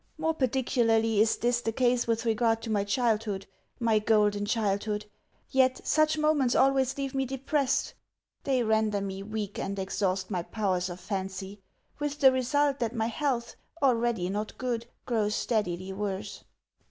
More particularly is this the case with regard to my childhood, my golden childhood. Yet such moments always leave me depressed. They render me weak, and exhaust my powers of fancy; with the result that my health, already not good, grows steadily worse.